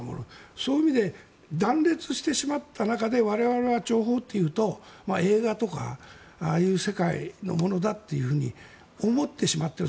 そういう意味で断裂してしまった中で我々は諜報というと映画とかああいう世界のものだと思ってしまっている。